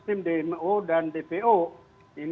tapi tiba tiba berubah lagi menjadi yang lain